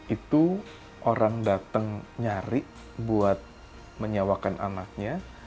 itu orang datang nyari buat menyewakan anaknya